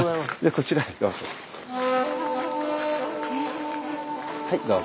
こちらへどうぞ。